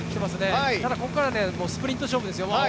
ただここからスプリット勝負ですよ。